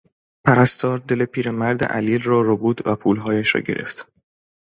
پرستار دل پیرمرد علیل را ربود و پولهایش را گرفت.